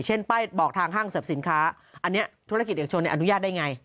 เช่นป้ายบอกทางห้างแสดงสินค้าอันนี้ธุระกิจเด็กชนเนี้ยอนุญาตได้ไง